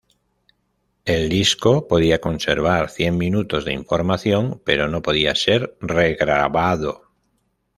El disco podía conservar cien minutos de información, pero no podía ser regrabado.